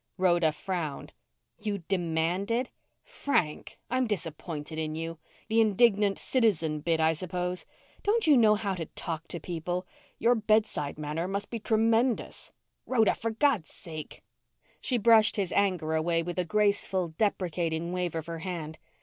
Rhoda frowned. "You demanded? Frank! I'm disappointed in you. The indignant citizen bit, I suppose. Don't you know how to talk to people? Your bedside manner must be tremendous." "Rhoda! For God's sake!" She brushed his anger away with a graceful, deprecating wave of her hand.